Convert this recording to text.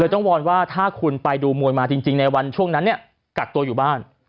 คือต้องวอนว่าถ้าคุณไปดูมวยมาจริงในวันช่วงนั้นเนี่ยกักตัวอยู่บ้าน